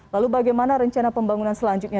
lalu bagaimana rencana pembangunan selanjutnya